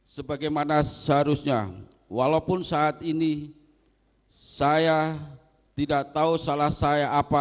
sebagaimana seharusnya walaupun saat ini saya tidak tahu salah saya apa